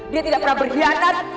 dia tidak pernah berkhianat